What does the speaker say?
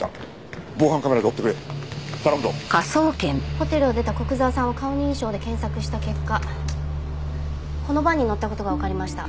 ホテルを出た古久沢さんを顔認証で検索した結果このバンに乗った事がわかりました。